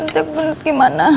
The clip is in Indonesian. nanti aku gendut gimana